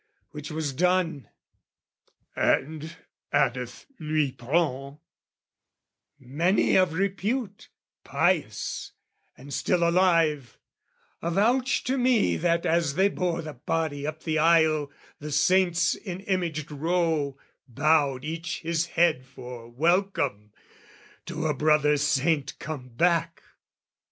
which was done. "'And' addeth Luitprand 'many of repute, "'Pious and still alive, avouch to me "'That as they bore the body up the aisle "'The saints in imaged row bowed each his head "'For welcome to a brother saint come back.'